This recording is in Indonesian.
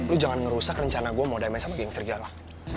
lo jangan ngerusak rencana gue mau dm nya sama geng sergi allah